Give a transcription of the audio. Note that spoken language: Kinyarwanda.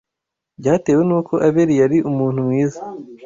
Byatewe n’uko Abeli yari umuntu mwiza